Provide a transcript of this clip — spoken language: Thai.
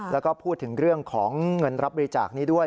แล้วก็พูดถึงเรื่องของเงินรับบริจาคนี้ด้วย